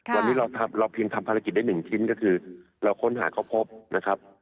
วันนี้เราเพียงทำภารกิจได้หนึ่งชิ้นก็คือเราค้นหาเขาพบนะครับ